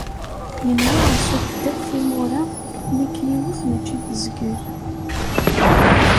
Yenwa iṣuk-d akk timura, nekk yiwet mačči tezgel.